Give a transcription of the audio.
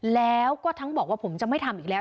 แล้วก็ทั้งบอกว่าผมจะไม่ทำอีกแล้ว